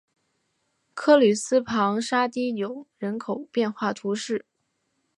克吕斯旁沙提永人口变化图示